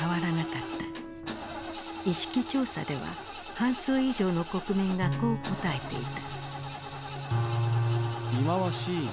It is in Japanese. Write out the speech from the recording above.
意識調査では半数以上の国民がこう答えていた。